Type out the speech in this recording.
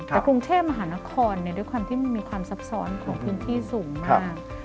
แต่กรุงเทพมหานครด้วยความที่มันมีความซับซ้อนของพื้นที่สูงมาก